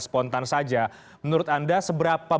spontan saja menurut anda seberapa